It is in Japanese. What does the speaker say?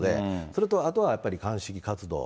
それと、あとはやっぱり鑑識活動。